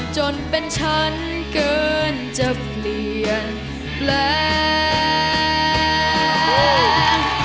จนเป็นฉันเกินจะเปลี่ยนแปลง